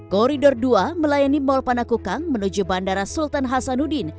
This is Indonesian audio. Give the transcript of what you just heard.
koridor dua melayani mal panakukang menuju bandara sultan hasanuddin